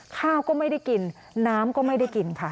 ข้าวก็ไม่ได้กินน้ำก็ไม่ได้กินค่ะ